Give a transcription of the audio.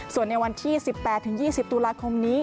ส่วนในวันที่๑๘๒๐ตุลาคมนี้